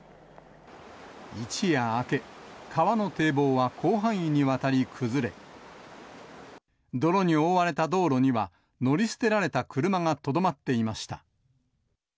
一夜明け、川の堤防は広範囲にわたり崩れ、泥に覆われた道路には、乗り捨てられた車がとどまっていました。